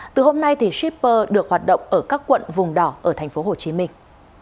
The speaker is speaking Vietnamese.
từ hôm nay shipper được hoạt động ở các quận vùng đỏ ở thành phố hồ chí minh